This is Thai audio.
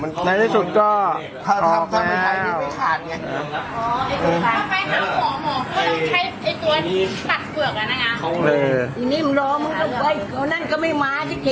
มือแบรนด์ให้เฉยไม่ได้อย่างน้อยแล้ว